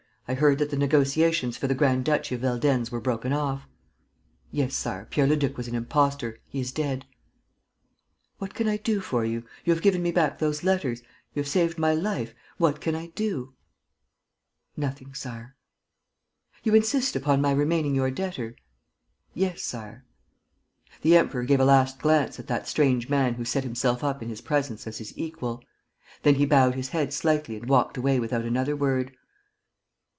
I heard that the negotiations for the grand duchy of Veldenz were broken off. ..." "Yes, Sire, Pierre Leduc was an imposter. He is dead." "What can I do for you? You have given me back those letters. ... You have saved my life. ... What can I do?" "Nothing, Sire." "You insist upon my remaining your debtor?" "Yes, Sire." The Emperor gave a last glance at that strange man who set himself up in his presence as his equal. Then he bowed his head slightly and walked away without another word.